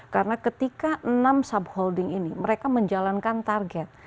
karena ketika enam subholding ini mereka menjalankan target